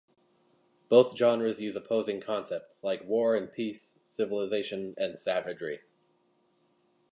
Both genres use opposing concepts like war and peace, civilization and savagery.